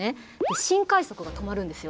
新快速が停まるんですよ。